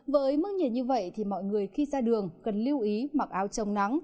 với mức nhiệt như vậy mọi người khi ra đường cần lưu ý mặc áo trông nắng